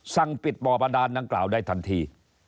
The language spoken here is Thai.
สั่งปิดบ่อบาดานดังกล่าวได้ทันที